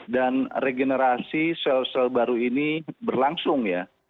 dan regenerasi sel sel baru ini berlangsung ya